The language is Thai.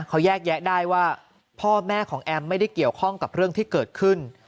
เขาแยกแยะได้ว่าพ่อแม่ของแอมไม่ได้เกี่ยวข้องกับเรื่องที่เกิดขึ้น